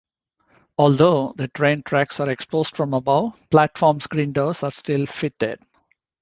Although the train tracks are exposed from above, platform screen doors are still fitted.